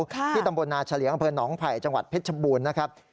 ที่ตำบลนาชะเลียงอนไผ่จังหวัดเพชรบูรณ์นะครับ